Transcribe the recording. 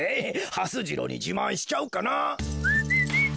はす次郎にじまんしちゃおうかな。